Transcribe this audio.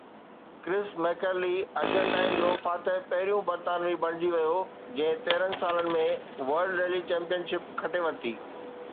ڪرس ميڪريلي ارجنٽائن جو فاتح پهريون برطانوي بڻجي ويو جنهن تيرهن سالن ۾ ورلڊ ريلي چيمپئن شپ کٽي ورتي